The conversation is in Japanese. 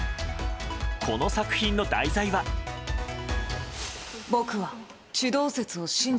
この作品の題材は。